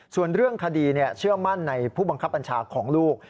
ส่วนเรื่องคดีเชื่อมั่นในผู้บังคับบัญชาของลูก